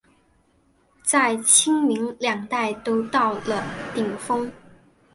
在清民两代都到了顶峰。